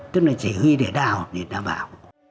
tức là chỉ huy để đào để đảm bảo